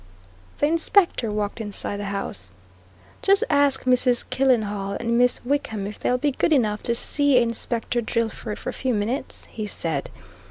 The Inspector walked inside the house. "Just ask Mrs. Killenhall and Miss Wickham if they'll be good enough to see Inspector Drillford for a few minutes," he said.